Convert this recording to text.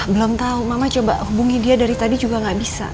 belum tahu mama coba hubungi dia dari tadi juga nggak bisa